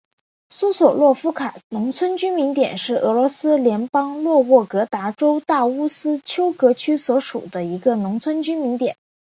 苏索洛夫卡农村居民点是俄罗斯联邦沃洛格达州大乌斯秋格区所属的一个农村居民点。